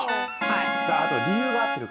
はい。